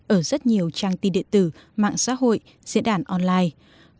ở rất nhiều trang tin điện tử mạng xã hội diễn đàn online